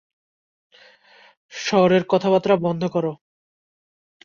শহুরের কথা-বার্তা বন্ধ কর।